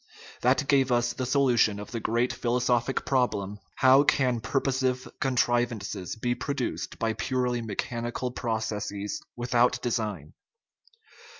That gave us the solu tion of the great philosophic problem :" How can pur posive contrivances be produced by purely mechanical processes without design?"